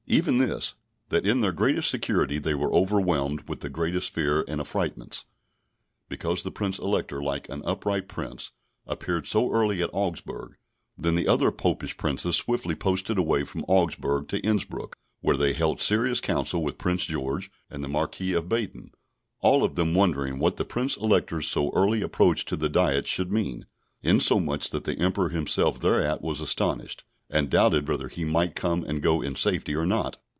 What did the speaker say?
Even this, that in their greatest security they were overwhelmed with the greatest fear and affrightments. Because the Prince Elector, like an upright Prince, appeared so early at Augsburg, then the other Popish princes swiftly posted away from Augsburg to Innsbruck, where they held serious counsel with Prince George and the Marquis of Baden, all of them wondering what the Prince Elector's so early approach to the Diet should mean, insomuch that the Emperor himself thereat was astonished, and doubted whether he might come and go in safety or not.